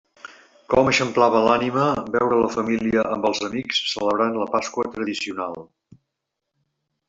Com eixamplava l'ànima veure la família amb els amics celebrant la Pasqua tradicional!